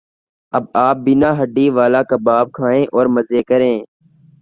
اب آپ بینا ہڈی والا کباب کھائیں اور مزے کریں